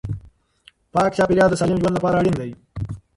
پاک چاپیریال د سالم ژوند لپاره اړین دی.